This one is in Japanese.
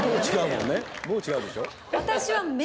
もう違うでしょ」